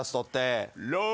ロー。